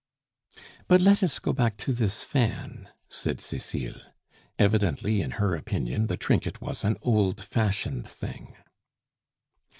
"But let us go back to this fan," said Cecile. Evidently in her opinion the trinket was an old fashioned thing.